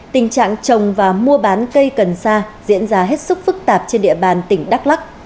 tình trạng trồng và mua bán cây cần sa diễn ra hết sức phức tạp trên địa bàn tỉnh đắk lắc